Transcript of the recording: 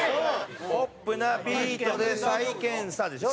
「ポップなビートで再検査」でしょ？